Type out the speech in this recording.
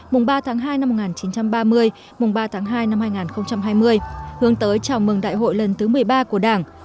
mùng ba tháng hai năm một nghìn chín trăm ba mươi mùng ba tháng hai năm hai nghìn hai mươi hướng tới chào mừng đại hội lần thứ một mươi ba của đảng